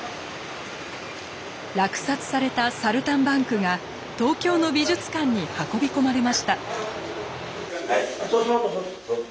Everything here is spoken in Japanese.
落札された「サルタンバンク」が東京の美術館に運び込まれました。